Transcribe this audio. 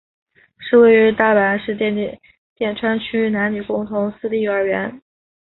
是位于大阪市淀川区的男女共学私立幼儿园。